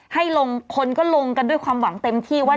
ให้ลงคนก็ลงกันด้วยความหวังเต็มที่ว่า